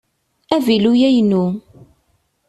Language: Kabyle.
Avilu-a inu.